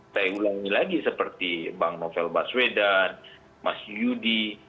saya ulangi lagi seperti bang novel baswedan mas yudi